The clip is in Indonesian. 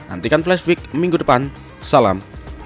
nantikan flash week minggu depan salam